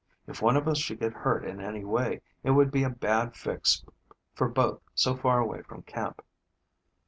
If one of us should get hurt in any way it would be a bad fix for both so far away from camp.